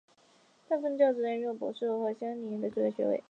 大部分教职人员拥有博士学位或者相应领域的最高学位。